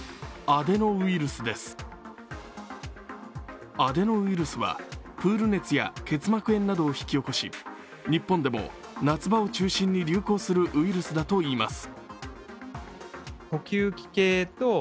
アデノウイルスは、プール熱や結膜炎などを引き起こし日本でも夏場を中心に流行するウイルスだといいます。